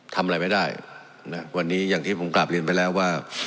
ทำอะไรไม่ได้นะวันนี้อย่างที่ผมกลับเรียนไปแล้วว่า